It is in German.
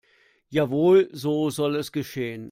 Jawohl, so soll es geschehen.